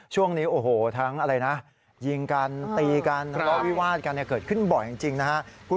ช่วงนี้ทั้งยิงกันตีกันแล้วก็วิวาดกันเกิดขึ้นบ่อยจริงนะครับ